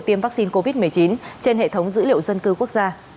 tiêm vaccine covid một mươi chín trên hệ thống dữ liệu dân cư quốc gia